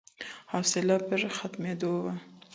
حوصله پر ختمېدو وه